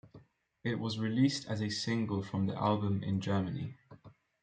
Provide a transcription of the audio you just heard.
It was released as a single from the album in Germany.